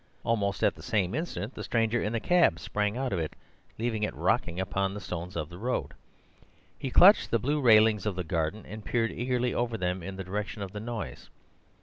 Almost at the same instant the stranger in the cab sprang out of it, leaving it rocking upon the stones of the road. He clutched the blue railings of the garden, and peered eagerly over them in the direction of the noise.